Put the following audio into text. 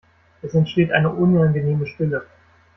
Es entsteht eine unangenehme Stille.